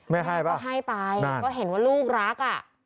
แม่ก็ให้ไปก็เห็นว่าลูกรักอะ